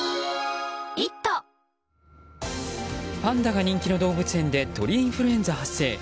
パンダが人気の動物園で鳥インフルエンザ発生。